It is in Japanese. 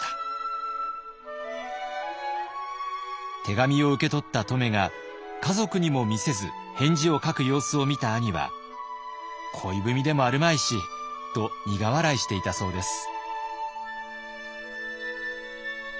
手紙を受け取った乙女が家族にも見せず返事を書く様子を見た兄は「恋文でもあるまいし」と苦笑いしていたそうです。